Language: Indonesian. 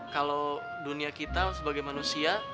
kalau dunia kita sebagai manusia